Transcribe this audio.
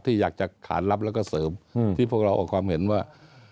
ที่อยากจะขานรับแล้วก็เสริมที่พวกเราออกความเห็นว่า